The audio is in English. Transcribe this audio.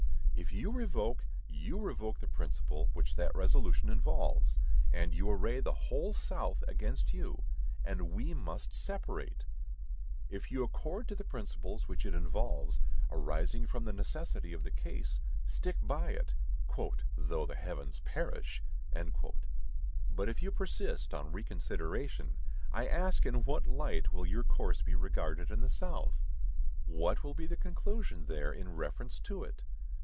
If you revoke, you revoke the principle which that resolution involves, and you array the whole South against you, and we must separate! If you accord to the principles which it involves, arising from the necessity of the case, stick by it, "though the heavens perish!" But, if you persist on reconsideration, I ask in what light will your course be regarded in the South? What will be the conclusion, there, in reference to it?